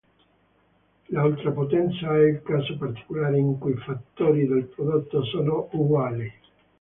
L'ultrapotenza è il caso particolare in cui i fattori del prodotto sono uguali.